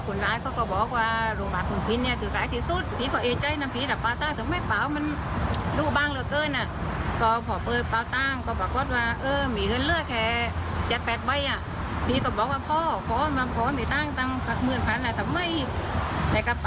เขาบอกว่าคือมันไม่ได้เสียดายเงิน